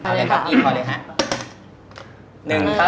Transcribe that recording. เอาเลยครับนี่พอเลยค่ะ